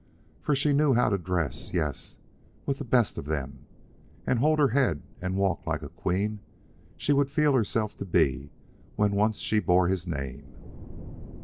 For she knew how to dress, yes, with the best of them, and hold her head and walk like the queen she would feel herself to be when once she bore his name.